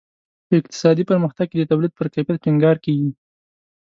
په اقتصادي پرمختګ کې د تولید پر کیفیت ټینګار کیږي.